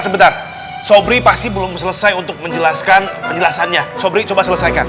sebentar sobri pasti belum selesai untuk menjelaskan penjelasannya sobri coba selesaikan